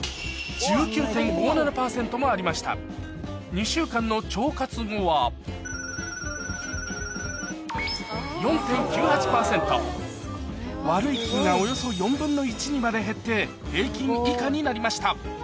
２週間の腸活後は悪い菌がおよそ４分の１にまで減って平均以下になりました